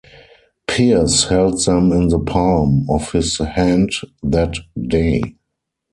Pierce held them in the palm of his hand that day.